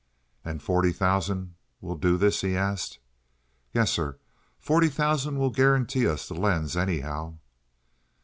"And forty thousand will do this?" he asked. "Yes, sir. Forty thousand will guarantee us the lens, anyhow."